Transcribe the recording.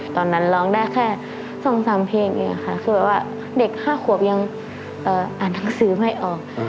ตอนนั้นร้องได้แค่๒๓เพลงเองค่ะคือแบบว่าเด็ก๕ขวบยังอ่านหนังสือไม่ออก